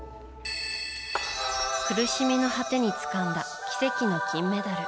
苦しみの果てにつかんだ奇跡の金メダル。